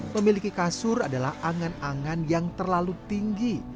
memiliki kasur adalah angan angan yang terlalu tinggi